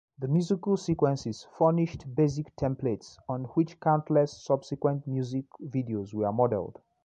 The musical sequences furnished basic templates on which countless subsequent music videos were modeled.